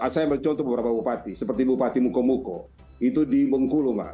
saya ambil contoh beberapa bupati seperti bupati mukomuko itu di bengkulu mbak